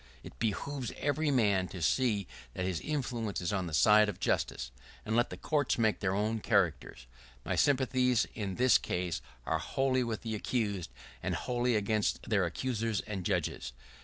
It behooves every man to see that his influence is on the side of justice, and let the courts make their own characters. My sympathies in this case are wholly with the accused, and wholly against their accusers and judges.